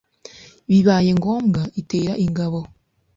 bibaye ngombwa itera ingabo